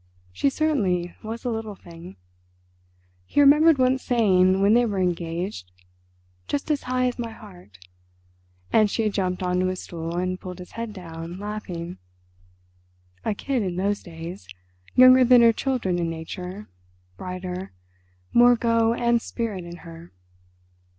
She certainly was a little thing. He remembered once saying when they were engaged, "Just as high as my heart," and she had jumped on to a stool and pulled his head down, laughing. A kid in those days, younger than her children in nature, brighter, more "go" and "spirit" in her.